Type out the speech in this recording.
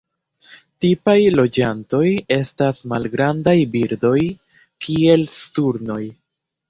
Tipaj loĝantoj estas malgrandaj birdoj kiel sturnoj.